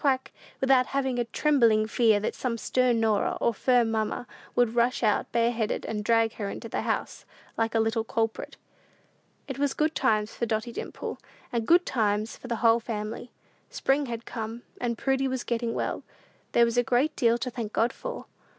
quack!" without having such a trembling fear that some stern Norah, or firm mamma, would rush out bareheaded, and drag her into the house, like a little culprit. It was good times for Dotty Dimple, and good times for the whole family. Spring had come, and Prudy was getting well. There was a great deal to thank God for!